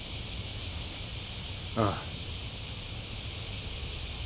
ああ。